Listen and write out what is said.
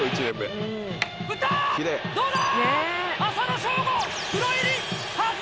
どうだ！